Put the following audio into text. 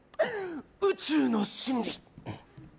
宇宙の真理